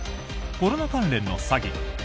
コロナ関連の詐欺。